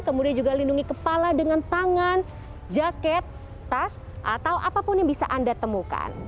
kemudian juga lindungi kepala dengan tangan jaket tas atau apapun yang bisa anda temukan